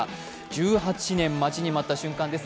１８年、待ちに待った瞬間です。